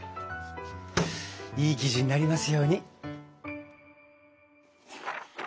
いい生地になりますように。